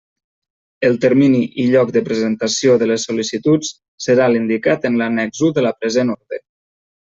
El termini i lloc de presentació de les sol·licituds serà l'indicat en l'annex u de la present orde.